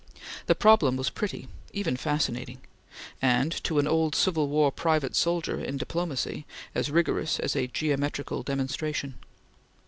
The problem was pretty even fascinating and, to an old Civil War private soldier in diplomacy, as rigorous as a geometrical demonstration.